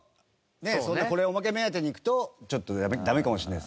そんなこれおまけ目当てに行くとちょっとダメかもしれないですね。